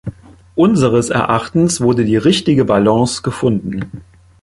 Unseres Erachtens wurde die richtige Balance gefunden.